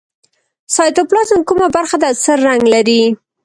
سایتوپلازم کومه برخه ده او څه رنګ لري